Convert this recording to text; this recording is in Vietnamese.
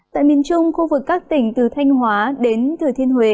tại miền trung khu vực các tỉnh từ thanh hóa đến thừa thiên huế